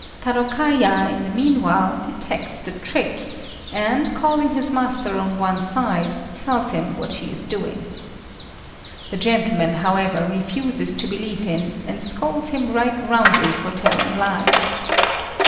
Tarôkaja, in the meanwhile, detects the trick, and, calling his master on one side, tells him what she is doing. The gentleman, however, refuses to believe him, and scolds him right roundly for telling lies.